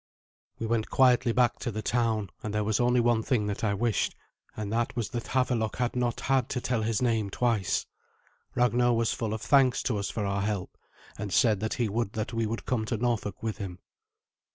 We went quietly back to the town, and there was only one thing that I wished, and that was that Havelok had not had to tell his name twice. Ragnar was full of thanks to us for our help, and said that he would that we would come to Norfolk with him.